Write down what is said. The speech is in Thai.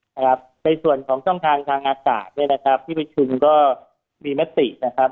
ในส่วนของช่องทางทางอากาศเนี่ยนะครับที่ประชุมก็มีมตินะครับ